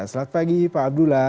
selamat pagi pak abdullah